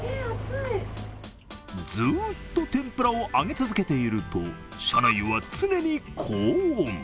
ずっと天ぷらを揚げ続けていると、車内は常に高温。